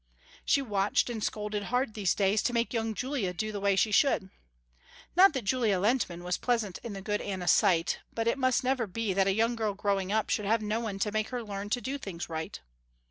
She watched and scolded hard these days to make young Julia do the way she should. Not that Julia Lehntman was pleasant in the good Anna's sight, but it must never be that a young girl growing up should have no one to make her learn to do things right.